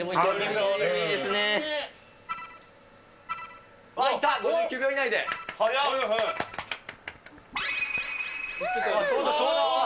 ちょうどちょうど。